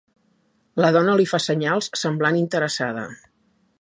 La dona li fa senyals, semblant interessada.